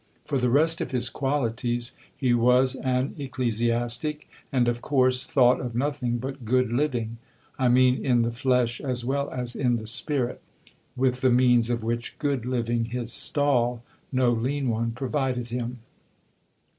For the rest of his qualities, he was an ecclesiastic, and of course thought of nothing but good living, I mean in the flesh as well as in the spirit, with the means of which good living his stall, no lean one, provided him.